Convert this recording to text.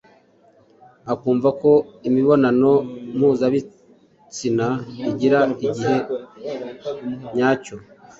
akumva ko imibonano mpuzabitsina igira igihe nyacyo